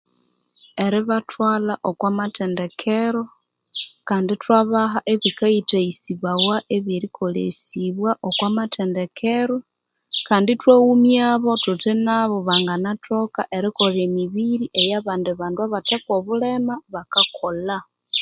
Eribathwalha okwa mathendekero, kandi ithwabaha ebikayithayisibawa ebyerikolesibwa okwa mathendekero, kandi ithwaghumyabo thuthi nabo banganathoka erikolha emibiri eya bandi bandu abathekwo obulema bakakolha.